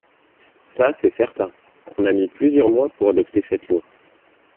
Ça, c’est certain ! On a mis plusieurs mois pour adopter cette loi.